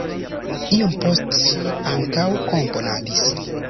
Iom poste ŝi ankaŭ komponadis.